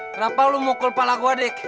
kenapa lo mukul pala gua dik